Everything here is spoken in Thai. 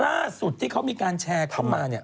ล่าสุดที่เขามีการแชร์เข้ามาเนี่ย